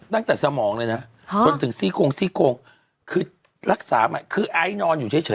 ตั้งแต่สมองเลยนะจนถึงซีโกงคือรักษามากคือไอ้ไอ้นอนอยู่เฉยอ่ะ๒ปี